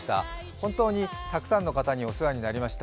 本当にたくさんの方にお世話になりました。